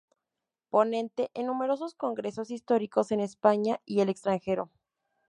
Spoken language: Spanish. Ponente en numerosos congresos históricos en España y el extranjero.